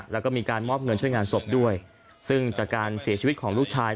แล้วก็มีการมอบเงินช่วยงานศพด้วยซึ่งจากการเสียชีวิตของลูกชาย